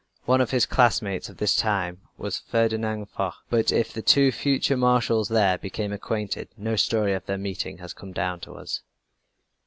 One of his classmates of this time was Ferdinand Foch, but if the two future Marshals there became acquainted no story of their meeting has come down to us.